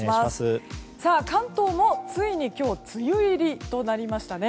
関東もついに今日梅雨入りとなりましたね。